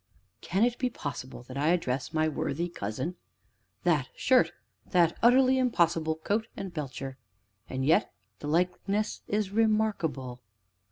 "Can it be possible that I address my worthy cousin? That shirt! that utterly impossible coat and belcher! And yet the likeness is remarkable!